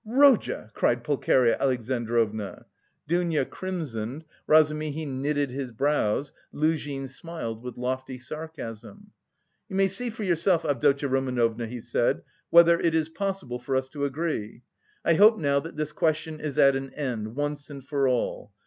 "Rodya!" cried Pulcheria Alexandrovna. Dounia crimsoned, Razumihin knitted his brows. Luzhin smiled with lofty sarcasm. "You may see for yourself, Avdotya Romanovna," he said, "whether it is possible for us to agree. I hope now that this question is at an end, once and for all.